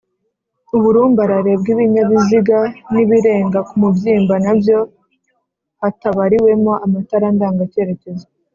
uburumbarare bw’ibinyabiziga n’ibirenga kumubyimba nabyo hatabariwemo amatara ndanga cyerekezo